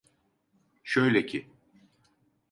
Şöyle ki…